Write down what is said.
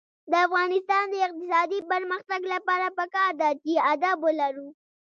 د افغانستان د اقتصادي پرمختګ لپاره پکار ده چې ادب ولرو.